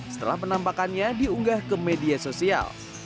setelah penampakannya diunggah ke media sosial